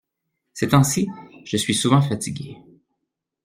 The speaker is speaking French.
Ces temps-ci je suis souvent fatigué.